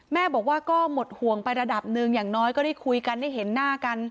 แม่บอกว่าก็หมดห่วงไประดับหนึ่งอย่างน้อยก็ได้คุยกันได้เห็นหน้ากัน